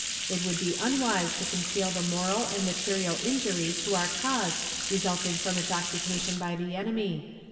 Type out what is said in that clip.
It would be unwise to conceal the moral and material injury to our cause resulting from its occupation by the enemy.